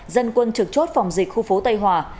dân quân trực chốt phòng dịch khu phố tây hòa